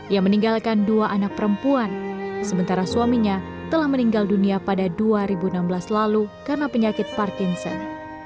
ia meninggalkan dua anak perempuan sementara suaminya telah meninggal dunia pada dua ribu enam belas lalu karena penyakit parkinson